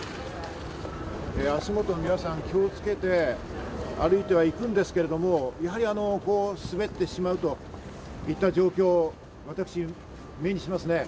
足元を皆さん、気をつけて歩いては行くんですけれども、やはり滑ってしまうといった状況を私、目にしますね。